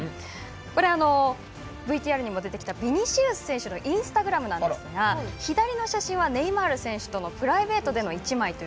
これはＶＴＲにも出てきたビニシウス選手のインスタグラムですが左の写真はネイマール選手とのプライベートでの１枚だと。